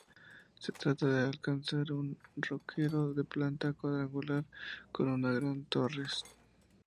Se trata de un alcázar roquero de planta cuadrangular con una gran torres.